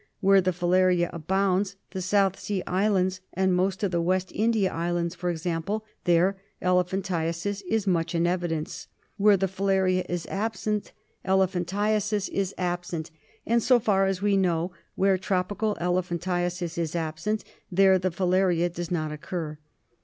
Where the filaria abounds, the South Sea Islands, and most of the West India Islands, for example, there elephantiasis is much in evidence. Where the filaria is absent, elephanti asis is absent; and so far as we know, where tropical elephantiasis is absent, there the filaria does not occur.